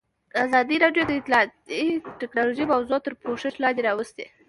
ازادي راډیو د اطلاعاتی تکنالوژي موضوع تر پوښښ لاندې راوستې.